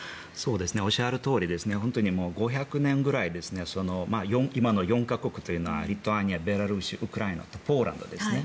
おっしゃるとおり５００年くらい今の４か国というのはリトアニア、ベラルーシウクライナとポーランドですね。